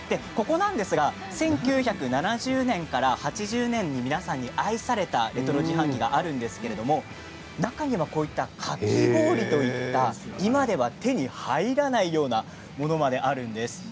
１９７０年から８０年に皆さんに愛されたレトロ自販機があるんですけれど中にはかき氷といった今では手に入らないようなものまであるんです。